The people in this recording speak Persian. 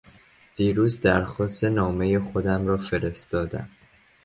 دیروز درخواست نامهی خودم را فرستادم.